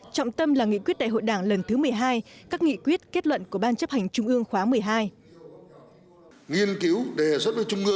trọng tâm là nghị quyết đại hội đảng lần thứ một mươi hai các nghị quyết kết luận của ban chấp hành trung ương khóa một mươi hai